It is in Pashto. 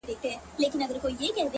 هره تجربه نوی درک راوړي